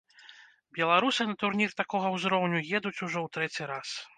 Беларусы на турнір такога ўзроўню едуць ужо ў трэці раз.